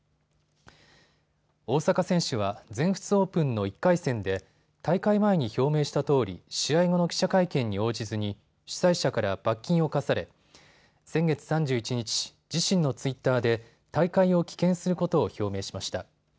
大坂選手は全仏オープンの１回戦で大会前に表明したとおり試合後の記者会見に応じずに主催者から罰金を課され先月３１日、自身のツイッターで大会を棄権することを表明しました。